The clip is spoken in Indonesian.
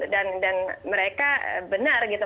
dan mereka benar gitu